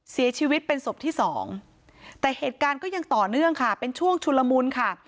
เสียชีวิตเป็นศพที่สองแต่เหตุการณ์ก็ยังต่อเนื่องค่ะเป็นช่วงชุนละมุนค่ะ